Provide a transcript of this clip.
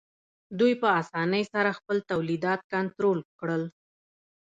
دوی په اسانۍ سره خپل تولیدات کنټرول کړل